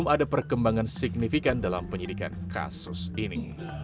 belum ada perkembangan signifikan dalam penyidikan kasus ini